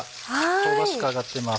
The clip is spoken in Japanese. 香ばしく揚がっています